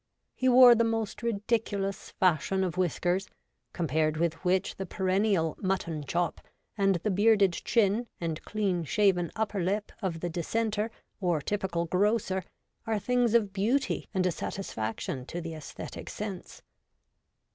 He wore the most ridiculous fashion of whiskers, com pared with which the perennial ' mutton chop ' and the bearded chin and clean shaven upper lip of the Dissenter or typical grocer are things of beauty and a satisfaction to the aesthetic sense.